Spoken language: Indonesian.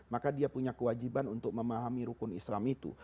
maka dia punya kewajiban untuk memahami rukun islam itu